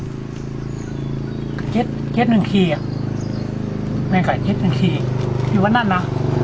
เย็ดเย็ดหนึ่งคีย์อ่ะแม่งไก่เย็ดหนึ่งคีย์อยู่ตรงนั้นน่ะ